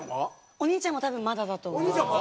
お兄ちゃんも多分まだだと。